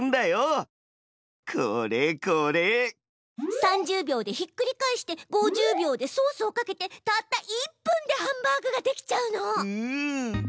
３０秒でひっくり返して５０秒でソースをかけてたった１分でハンバーグができちゃうの。